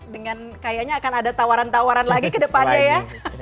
dengan kayaknya akan ada tawaran tawaran lagi ke depannya ya